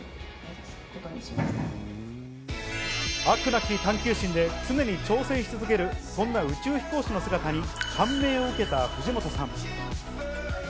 飽くなき探究心で常に挑戦し続ける、そんな宇宙飛行士の姿に感銘を受けた藤本さん。